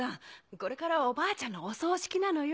これからおばあちゃんのお葬式なのよ。